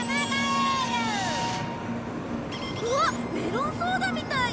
うわっメロンソーダみたい！